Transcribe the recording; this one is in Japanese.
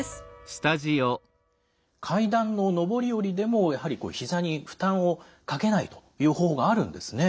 階段の上り下りでもやはりひざに負担をかけないという方法があるんですね。